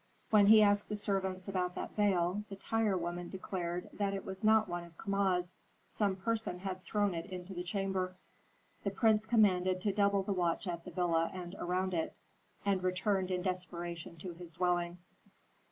When he asked the servants about that veil, the tirewoman declared that it was not one of Kama's; some person had thrown it into the chamber. The prince commanded to double the watch at the villa and around it, and returned in desperation to his dwelling.